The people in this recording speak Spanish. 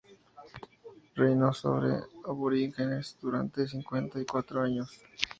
Reinó sobre los aborígenes durante cincuenta y cuatro años.